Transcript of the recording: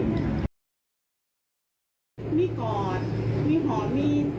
ไม่กอดไม่หอมไม่จับเพราะไม่จับนมแล้วก็คิดว่า